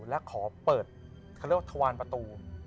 และขอเปิดเขาเรียกว่าทวานประตู